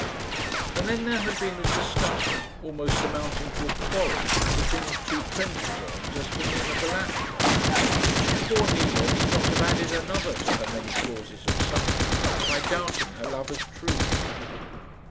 And then there had been a discussion, almost amounting to a quarrel, between the two Trendellsohns as to Nina Balatka. Poor Nina need not have added another to her many causes of suffering by doubting her lover's truth.